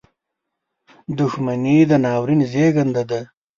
• دښمني د ناورین زیږنده ده.